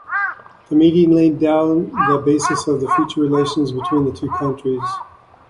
The meeting laid down the basis of the future relations between the two countries.